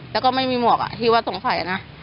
แล้วก็ไม่มีหมวกที่ว่าสงสัยนะ